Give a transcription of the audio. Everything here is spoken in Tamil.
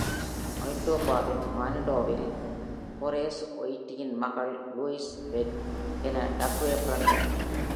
மானிடோபாவின் மனிடோவில் ஹோரேஸ் ஒயிட்டின் மகள் லூயிஸ் வைட் என டக்குவே பிறந்தார்.